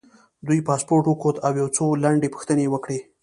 دوی پاسپورټ وکوت او یو څو لنډې پوښتنې یې وکړې.